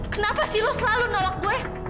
kenapa sih lo selalu nolak gue